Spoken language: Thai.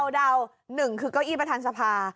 เดา๑คือเก้าอี้ประธานสภา